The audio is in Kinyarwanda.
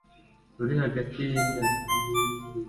Ruri hagati y imyaka